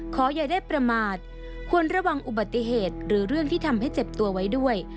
ขออย่าได้ประมาทควรระวังอุบัติเหตุหรือเรื่องที่ทำให้เจ็บตัวไว้ด้วย